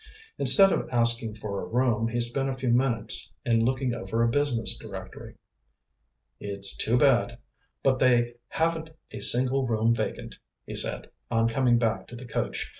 Instead of asking for a room he spent a few minutes in looking over a business directory. "It's too bad, but they haven't a single room vacant," he said, on coming back to the coach.